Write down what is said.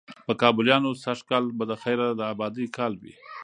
په کابليانو سږ کال به د خیره د آبادۍ کال وي،